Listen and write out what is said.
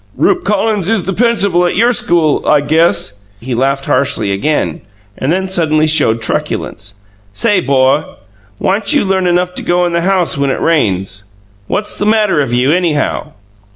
"'Rupe Collins is the principal at your school, I guess!'" He laughed harshly again, then suddenly showed truculence. "Say, 'bo, whyn't you learn enough to go in the house when it rains? What's the matter of you, anyhow?"